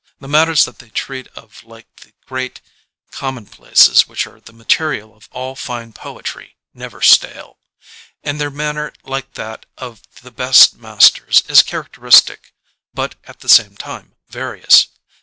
The matters that they treat of like the great commonplaces which are the material of all fine poetry never stale; and their manner like that of the best masters is char acteristic but at the same time various.